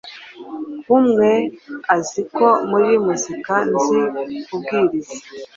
Kumwe aziko muri muzika nzi kubwiriza